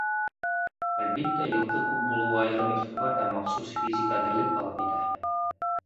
Әлбиттә, йылҡы күп булыуы айырым иғтибар һәм махсус физик әҙерлек талап итә.